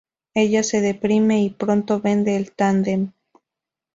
Ella se deprime y, pronto, vende el tándem.